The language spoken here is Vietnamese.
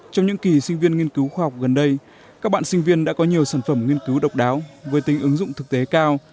trong những kỳ sinh viên nghiên cứu khoa học gần đây các bạn sinh viên đã có nhiều sản phẩm nghiên cứu độc đáo với tính ứng dụng thực tế cao